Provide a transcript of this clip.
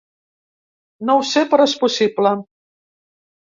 No ho sé, però és possible.